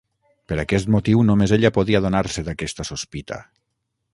Per aquest motiu, només ella podia adonar-se d'aquesta sospita.